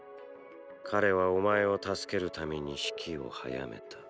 彼はお前を助けるために死期を早めた。